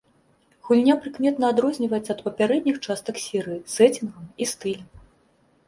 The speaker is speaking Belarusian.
Гульня прыкметна адрозніваецца ад папярэдніх частак серыі сэцінгам і стылем.